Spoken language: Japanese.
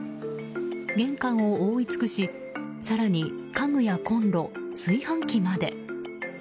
玄関を覆い尽くし更に家具やコンロ、炊飯器まで。